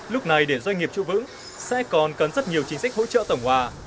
lúc này để doanh nghiệp trụ vững sẽ còn cần rất nhiều chính sách hỗ trợ tổng hòa